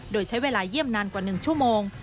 โดยใช้เวลาเยี่ยมนานกว่า๑ชั่วโมง